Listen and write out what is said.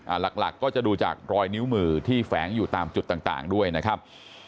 หลักหลักก็จะดูจากรอยนิ้วมือที่แฝงอยู่ตามจุดต่างต่างด้วยนะครับ